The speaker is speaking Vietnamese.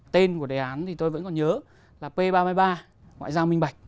tên của đề án thì tôi vẫn còn nhớ là p ba mươi ba ngoại giao minh bạch